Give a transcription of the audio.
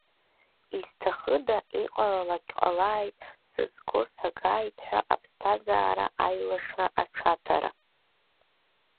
Изҭахыда, иҟалалак ҟалааит, сызго сагааит ҳәа аԥсҭазаара аилашра аҽаҭара?!